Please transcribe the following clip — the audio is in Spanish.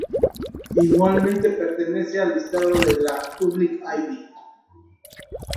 Igualmente pertenece al listado de la "Public Ivy".